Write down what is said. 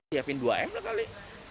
siapin dua m lah kali